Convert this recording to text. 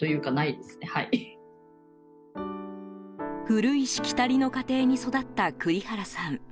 古いしきたりの家庭に育った栗原さん。